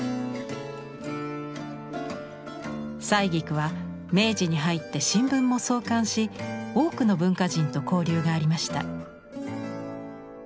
採菊は明治に入って新聞も創刊し多くの文化人と交流がありました。